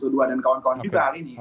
dan kawan kawan juga hal ini